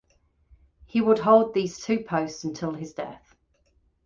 He would hold these two posts until his death.